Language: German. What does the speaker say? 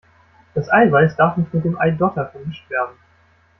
Das Eiweiß darf nicht mit dem Eidotter vermischt werden!